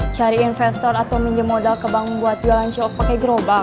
cari investor atau pinjam modal ke bank buat jualan cilok pake gerobak